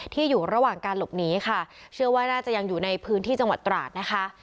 อยู่ระหว่างการหลบหนีค่ะเชื่อว่าน่าจะยังอยู่ในพื้นที่จังหวัดตราดนะคะ